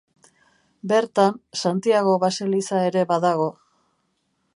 Bertan, Santiago baseliza ere badago.